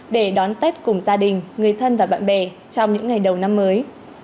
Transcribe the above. để đón tết cùng gia đình người thân và bạn bè trong những ngày đầu năm mới